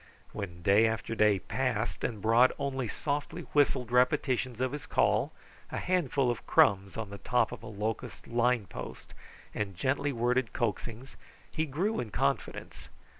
When day after day passed and brought only softly whistled repetitions of his call, a handful of crumbs on the top of a locust line post, and gently worded coaxings, he grew in confidence.